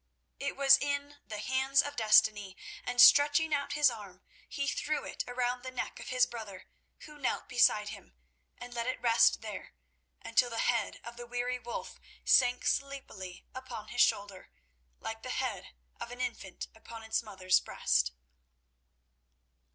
It was in the hands of destiny, and stretching out his arm, he threw it around the neck of his brother, who knelt beside him, and let it rest there, until the head of the weary Wulf sank sleepily upon his shoulder, like the head of an infant upon its mother's breast.